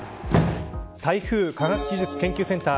台風科学技術研究センター